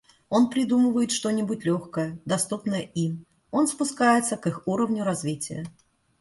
Он придумывает что-нибудь легкое, доступное им, он спускается к их уровню развития.